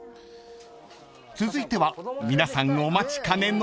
［続いては皆さんお待ちかねの］